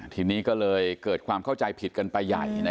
ทีนี้ก็เลยเกิดความเข้าใจผิดกันไปใหญ่